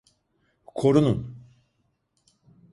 Korunun!